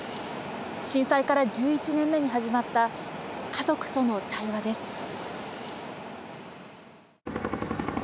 震災から１１年目に始まった家族との対話です。